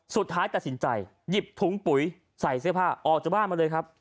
สุดท้ายตัดสินใจหยิบถุงปุ๋ยใส่เสื้อผ้าออกจากบ้านมาเลยครับ